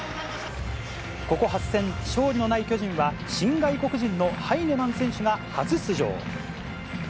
ここ８戦、勝利のない巨人は、新外国人のハイネマン選手が初出場。